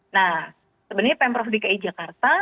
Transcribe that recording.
nah sebenarnya pm prof dki jakarta